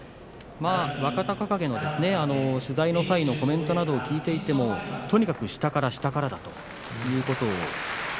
若隆景の取材の際のコメントなどを聞いていてもとにかく下から下からということを。